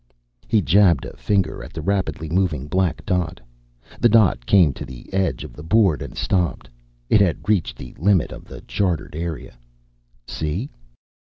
He jabbed a finger at the rapidly moving black dot. The dot came to the edge of the board and stopped. It had reached the limit of the chartered area. "See?"